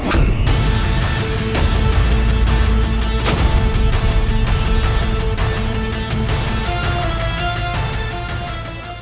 berikanlah senyuman itu kepada aku